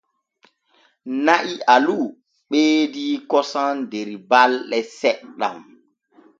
Na'i alu ɓeedi kosam der balde seɗɗen.